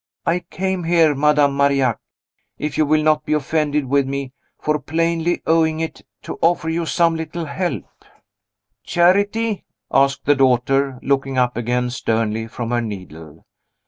"I came here, Madame Marillac if you will not be offended with me, for plainly owning it to offer you some little help." "Charity?" asked the daughter, looking up again sternly from her needle.